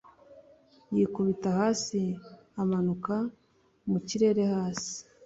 yikubita hasi amanuka mu kirere hasi